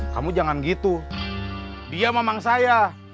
kamu jangan gitu dia memang saya